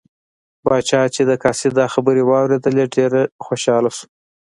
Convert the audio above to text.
پاچا چې د قاصد دا خبرې واوریدلې ډېر خوشحاله شو.